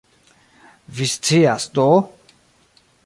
Vi scias do?